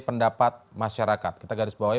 pendapat masyarakat kita garis bawahi